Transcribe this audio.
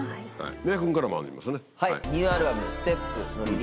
三宅君からもありますよね。